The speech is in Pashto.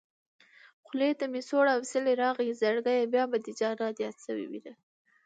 خولې ته مې سوړ اوسېلی راغی زړګيه بيا به دې جانان ياد شوی وينه